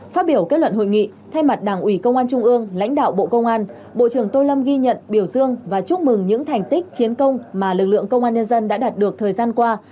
phát biểu kết luận hội nghị thay mặt đảng ủy công an trung ương lãnh đạo bộ công an bộ trưởng tô lâm ghi nhận biểu dương và chúc mừng những thành tích chiến công mà lực lượng công an nhân dân đã đạt được thời gian qua